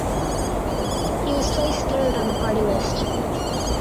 He was placed third on the party list.